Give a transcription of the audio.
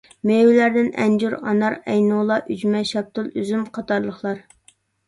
مېۋىلەردىن ئەنجۈر، ئانار، ئەينۇلا، ئۈجمە، شاپتۇل، ئۈزۈم قاتارلىقلار.